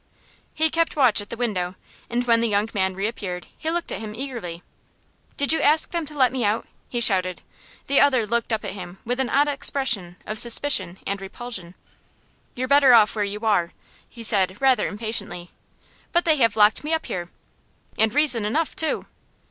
He kept watch at the window, and when the young man reappeared, he looked at him eagerly. "Did you ask them to let me out?" he shouted. The other looked up at him with an odd expression of suspicion and repulsion. "You're better off where you are," he said, rather impatiently. "But they have locked me up here." "And reason enough, too!"